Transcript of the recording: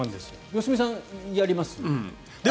良純さん、あります？